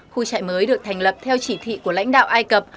khu trại mới được thành lập theo chỉ thị của lãnh đạo ai cập